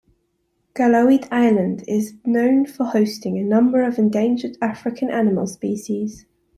Calauit Island is known for hosting a number of endangered African animal species.